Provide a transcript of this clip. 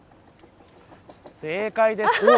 正解です！